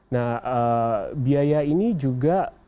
nah biaya ini juga